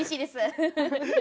フフフフ。